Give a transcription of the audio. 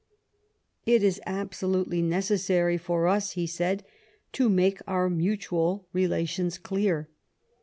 "It is absolutely necessary for us," he said, " to make our mutual relations clear.